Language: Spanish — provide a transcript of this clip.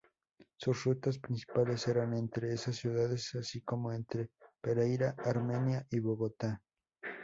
Sus rutas principales eran entre esas ciudades así como entre Pereira, Armenia y Bogotá.